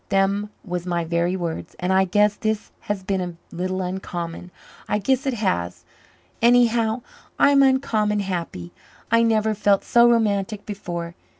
Them was my very words. And I guess this has been a little uncommon I guess it has. Anyhow, I'm uncommon happy. I never felt so romantic before.